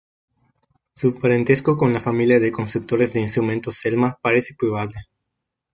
Su parentesco con la familia de constructores de instrumentos Selma parece probable.